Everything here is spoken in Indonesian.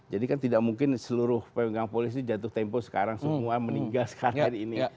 jadi kan tidak mungkin seluruh pemegang polis ini jatuh tempo sekarang semua meninggal sekarang ini